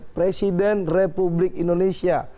presiden republik indonesia